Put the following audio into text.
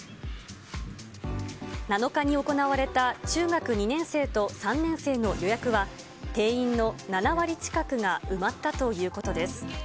７日に行われた中学２年生と３年生の予約は、定員の７割近くが埋まったということです。